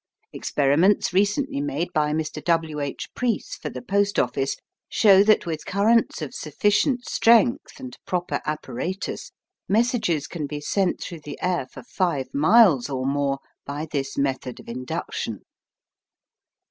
Experiments recently made by Mr. W. H. Preece for the Post Office show that with currents of sufficient strength and proper apparatus messages can be sent through the air for five miles or more by this method of induction.